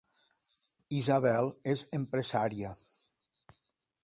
Isabel és empresària